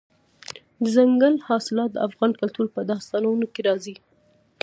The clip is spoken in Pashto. دځنګل حاصلات د افغان کلتور په داستانونو کې راځي.